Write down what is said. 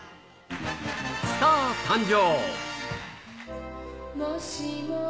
スター誕生！